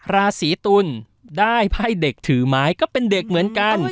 ราศีตุลได้ไพ่เด็กถือไม้ก็เป็นเด็กเหมือนกัน